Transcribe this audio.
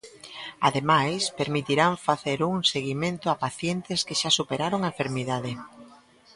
Ademais, permitirán facer un seguimento a pacientes que xa superaron a enfermidade.